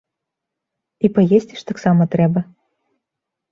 І паесці ж таксама трэба.